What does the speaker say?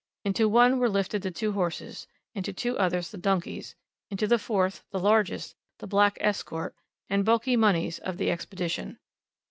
Into one were lifted the two horses, into two others the donkeys, into the fourth, the largest, the black escort, and bulky moneys of the Expedition.